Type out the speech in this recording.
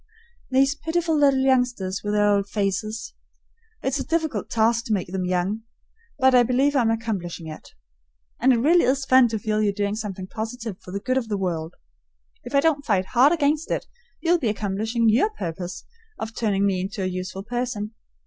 These pitiful little youngsters with their old faces! It's a difficult task to make them young, but I believe I'm accomplishing it. And it really is fun to feel you're doing something positive for the good of the world. If I don't fight hard against it, you'll be accomplishing your purpose of turning me into a useful person.